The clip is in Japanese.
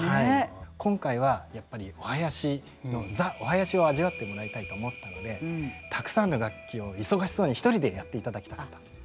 今回はやっぱりお囃子の「Ｔｈｅお囃子」を味わってもらいたいと思ったのでたくさんの楽器を忙しそうに一人でやっていただきたかったんです。